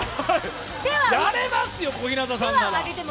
やれますよ、小日向さんなら。